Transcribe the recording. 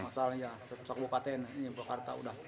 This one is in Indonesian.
masal iya sok bukatan purwakarta